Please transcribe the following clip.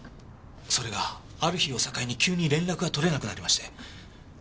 それがある日を境に急に連絡が取れなくなりまして。